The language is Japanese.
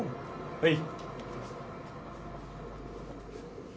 はい。